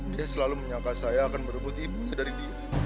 dia selalu menyangka saya akan berebut ibunya dari dia